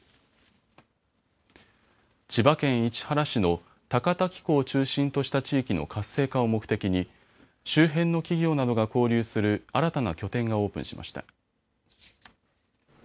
千葉県市原市の高滝湖を中心とした地域の活性化を目的に周辺の企業などが交流する新たな拠点がオープンしました。